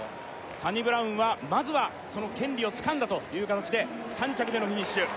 サニブラウンはまずはその権利をつかんだという形で３着でのフィニッシュ